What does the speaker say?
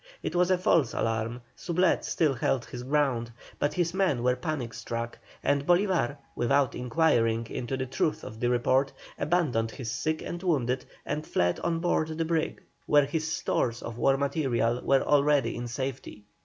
It was a false alarm, Soublette still held his ground, but his men were panic struck, and Bolívar, without inquiring into the truth of the report, abandoned his sick and wounded, and fled on board the brig where his stores of war material were already in safety.